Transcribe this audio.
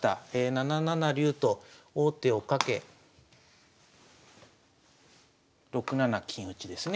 ７七竜と王手をかけ６七金打ですね。